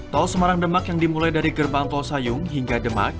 tol semarang demak yang dimulai dari gerbang tol sayung hingga demak